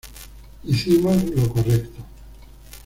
Hicimos lo correcto.